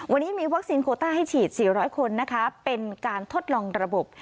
วันนี้มีวัคซีนโคต้าให้ฉีด๔๐๐คนนะคะเป็นการทดลองระบบ